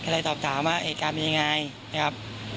แล้วตอบถามว่าเหตุการณ์เป็นยังไง